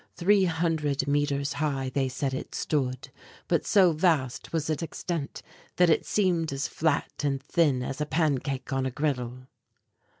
Three hundred metres high they said it stood, but so vast was its extent that it seemed as flat and thin as a pancake on a griddle.